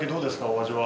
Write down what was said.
お味は。